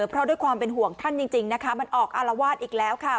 เพราะด้วยความเป็นห่วงท่านจริงนะคะมันออกอารวาสอีกแล้วค่ะ